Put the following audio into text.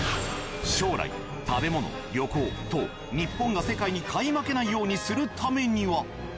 将来食べ物旅行と日本が世界に買い負けないようにするためには。